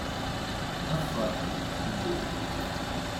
Ad ferḥen mliḥ.